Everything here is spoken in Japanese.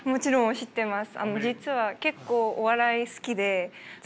知ってます。